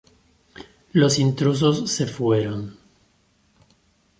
Los intrusos se fueron.